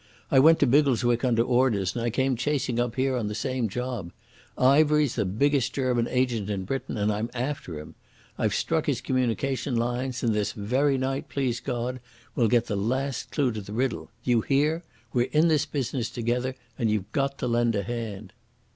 I went to Biggleswick under orders, and I came chasing up here on the same job. Ivery's the biggest German agent in Britain and I'm after him. I've struck his communication lines, and this very night, please God, we'll get the last clue to the riddle. Do you hear? We're in this business together, and you've got to lend a hand."